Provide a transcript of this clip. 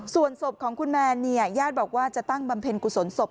ส่วนศพของคุณแมนเนี่ยญาติบอกว่าจะตั้งบำเพ็ญกุศลศพ